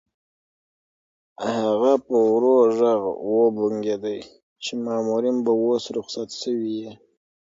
هغه په ورو غږ وبونګېده چې مامورین به اوس رخصت شوي وي.